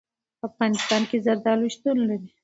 په افغانستان کې زردالو شتون لري.